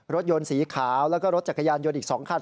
รถยนต์สีขาวแล้วก็รถจักรยานยนต์อีก๒คัน